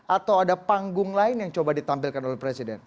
atau ada panggung lain yang coba ditampilkan oleh presiden